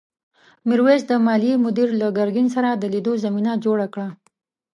میرويس د مالیې مدیر له ګرګین سره د لیدو زمینه جوړه کړه.